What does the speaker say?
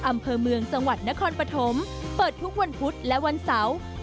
อำเภอเมืองจังหวัดนครปฐมเปิดทุกวันพุธและวันเสาร์